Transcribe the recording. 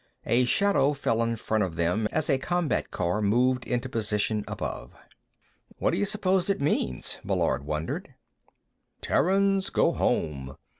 A shadow fell in front of them as a combat car moved into position above. "What do you suppose it means?" Meillard wondered. "Terrans, go home."